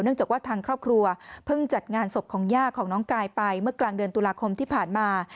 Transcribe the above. จากว่าทางครอบครัวเพิ่งจัดงานศพของย่าของน้องกายไปเมื่อกลางเดือนตุลาคมที่ผ่านมา